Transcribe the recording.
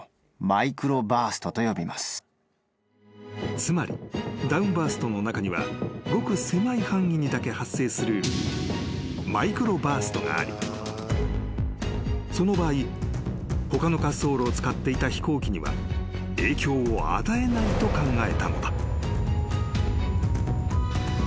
［つまりダウンバーストの中にはごく狭い範囲にだけ発生するマイクロバーストがありその場合他の滑走路を使っていた飛行機には影響を与えないと考えたのだ］